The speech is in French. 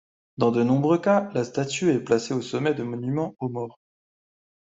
Dans de nombreux cas, la statue est placée au sommet de monuments aux morts.